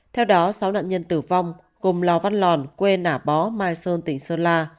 theo đó sáu nạn nhân tử vong cùng lò văn lòn quê nả bó mai sơn tỉnh sơn la